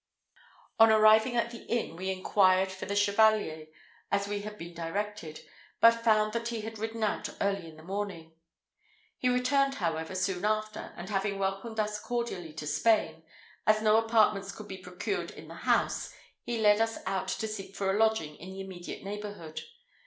On arriving at the inn, we inquired for the Chevalier, as we had been directed, but found that he had ridden out early in the morning. He returned, however, soon after, and having welcomed us cordially to Spain, as no apartments could be procured in the house, he led us out to seek for a lodging in the immediate neighbourhood.